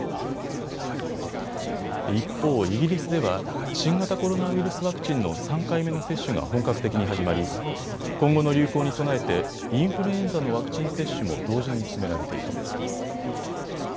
一方、イギリスでは新型コロナウイルスワクチンの３回目の接種が本格的に始まり、今後の流行に備えてインフルエンザのワクチン接種も同時に進められています。